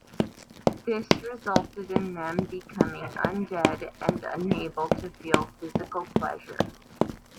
This resulted in them becoming undead and unable to feel physical pleasure.